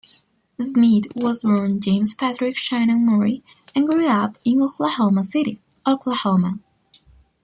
Smith was born James Patrick Shannon Morey and grew up in Oklahoma City, Oklahoma.